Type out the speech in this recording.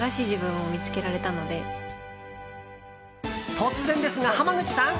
突然ですが、濱口さん。